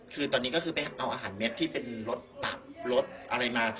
คือตอนนี้ก็คือไปเอาอาหารเม็ดที่เป็นรสตับรสอะไรมา